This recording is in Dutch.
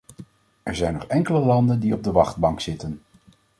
Er zijn nog enkele landen die op de wachtbank zitten.